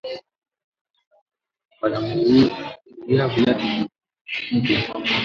Banamuuwia bilato bya mupya